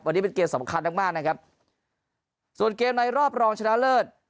วันนี้เป็นเกมสำคัญมากมากนะครับส่วนเกมในรอบรองชนะเลิศ